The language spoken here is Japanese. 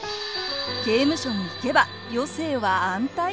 刑務所に行けば余生は安泰！？